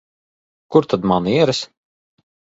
Kur tad manieres?